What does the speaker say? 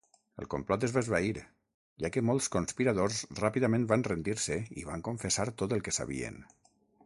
El complot es va esvair ja que molts conspiradors ràpidament van rendir-se i van confessar tot el que sabien.